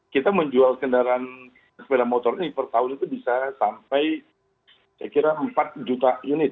kita menjual kendaraan sepeda motor ini per tahun itu bisa sampai saya kira empat juta unit